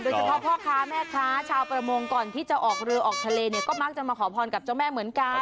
เฉพาะพ่อค้าแม่ค้าชาวประมงก่อนที่จะออกเรือออกทะเลเนี่ยก็มักจะมาขอพรกับเจ้าแม่เหมือนกัน